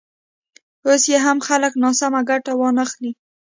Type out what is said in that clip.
اوس یې هم خلک ناسمه ګټه وانخلي.